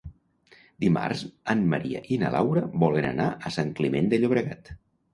Dimarts en Maria i na Laura volen anar a Sant Climent de Llobregat.